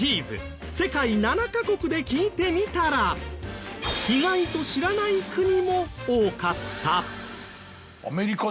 世界７カ国で聞いてみたら意外と知らない国も多かった。